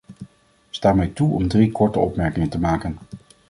Sta mij toe om drie korte opmerkingen te maken.